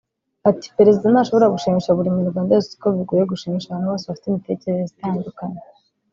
Ati “Perezida ntashobora gushimisha buri Munyarwanda wese kuko bigoye gushimisha abantu bose bafite imitekerereze itandukanye